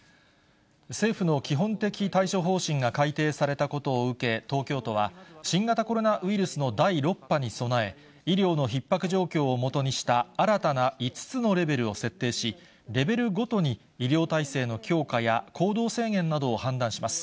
政府の基本的対処方針が改定されたことを受け、東京都は、新型コロナウイルスの第６波に備え、医療のひっ迫状況をもとにした新たな５つのレベルを設定し、レベルごとに医療体制の強化や行動制限などを判断します。